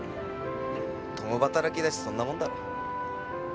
共働きだしそんなもんだろ。